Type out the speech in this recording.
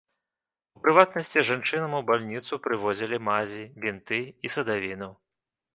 У прыватнасці, жанчынам у бальніцу прывозілі мазі, бінты і садавіну.